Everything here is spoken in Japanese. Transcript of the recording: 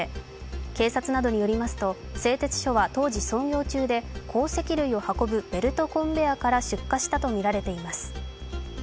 警察などによりますと、製鉄所は当時操業中で、鉱石類を運ぶベルトコンベアから出火したとみられています。